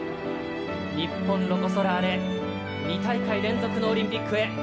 日本ロコ・ソラーレ２大会連続のオリンピックへ。